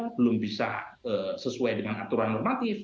belum bisa sesuai dengan aturan normatif